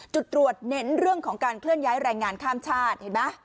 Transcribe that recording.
จุดตรวจเน้นเรื่องของการเคลื่อนย้ายแรงงานข้ามชาติเห็นไหม